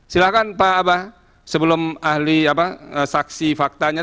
silahkan pak abah sebelum ahli saksi faktanya